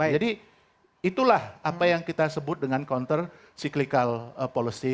jadi itulah apa yang kita sebut dengan counter cyclical policy